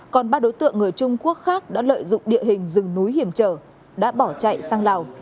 còn ba đối tượng người trung quốc khác đã lợi dụng địa hình rừng núi hiểm trở đã bỏ chạy sang lào